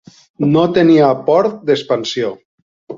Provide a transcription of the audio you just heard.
No tenia port d'expansió.